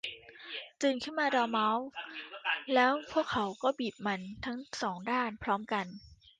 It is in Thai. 'ตื่นขึ้นมาดอร์เม้าส์ !' แล้วพวกเขาก็บีบมันทั้งสองด้านพร้อมกัน